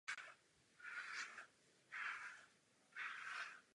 Dále na západ od ní pak zbytky vstupní věže.